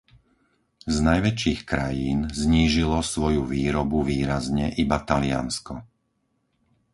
Z najväčších krajín znížilo svoju výrobu výrazne iba Taliansko.